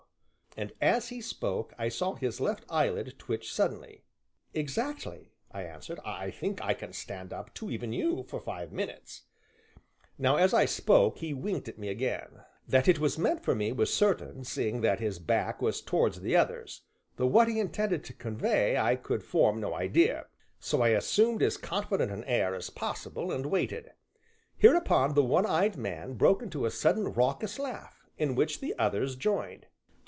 and, as he spoke, I saw his left eyelid twitch suddenly. "Exactly," I answered, "I think I can stand up to even you for five minutes." Now, as I spoke, he winked at me again. That it was meant for me was certain, seeing that his back was towards the others, though what he intended to convey I could form no idea, so I assumed as confident an air as possible and waited. Hereupon the one eyed man broke into a sudden raucous laugh, in which the others joined.